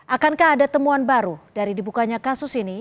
akankah ada temuan baru dari dibukanya kasus ini